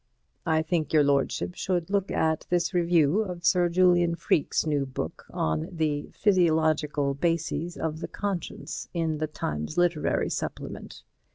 I think your lordship should look at this review of Sir Julian Freke's new book on 'The Physiological Bases of the Conscience' in the Times Literary Supplement.